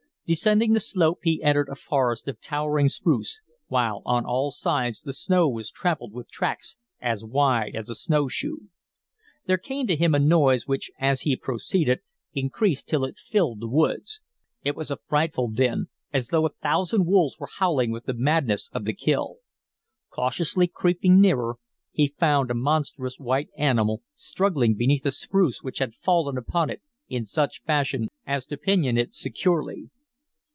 Descending the slope, he entered a forest of towering spruce, while on all sides the snow was trampled with tracks as wide as a snow shoe. There came to him a noise which, as he proceeded, increased till it filled the woods. It was a frightful din, as though a thousand wolves were howling with the madness of the kill. Cautiously creeping nearer, he found a monstrous white animal struggling beneath a spruce which had fallen upon it in such fashion as to pinion it securely.